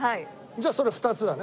じゃあそれ２つだね。